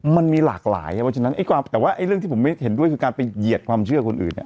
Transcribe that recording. มันมีหลากหลายแต่ว่าเรื่องที่ผมเห็นด้วยคือการไปเหยียดความเชื่อคนอื่น